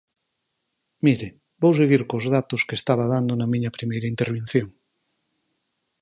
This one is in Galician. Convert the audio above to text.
Mire, vou seguir cos datos que estaba dando na miña primeira intervención.